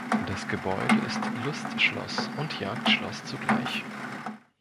Das Gebäude ist Lustschloss und Jagdschloss zugleich.